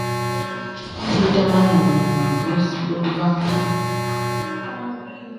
Bī tə̄mēŋnì nə̀ būs banwan.